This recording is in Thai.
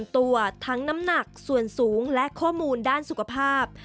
ตัวทั้งน้ำหนักส่วนสูงและข้อมูลด้านสุขภาพ